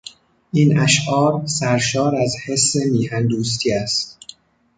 این اشعار سرشار از حس میهن دوستی است.